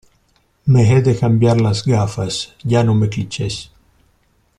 Me he de cambiar las gafas, ya no me clichés.